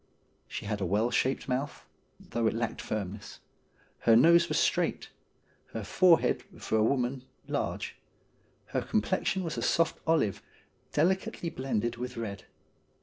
She had a well shaped mouth, though it lacked firmness ; her nose was straight ; her forehead, for a wo man, large ; her complexion was a soft olive, delicately blended with red.